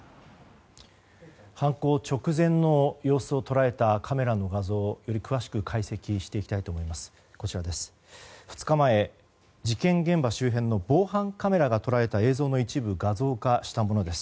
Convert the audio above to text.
犯行直前の様子を捉えたカメラの画像を、より詳しく解析していきたいと思います。